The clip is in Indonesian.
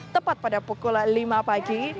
tepat pada pukul lima pagi